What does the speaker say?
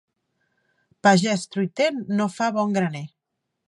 Pagès truiter no fa bon graner.